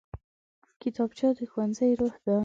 کتابچه د ښوونځي روح ده